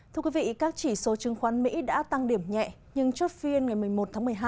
thưa quý vị các chỉ số chứng khoán mỹ đã tăng điểm nhẹ nhưng chốt phiên ngày một mươi một tháng một mươi hai